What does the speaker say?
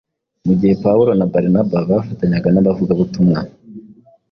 Mu gihe Pawulo na Barinaba bafatanyaga n’abavugabutumwa